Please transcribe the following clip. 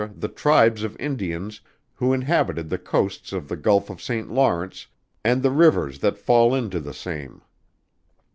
the tribes of Indians who inhabited the coasts on the Gulph of Saint Lawrence and the rivers that fall into the same.